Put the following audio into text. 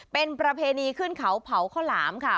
เป็นประเพณีขึ้นเขาเผาข้าวหลามค่ะ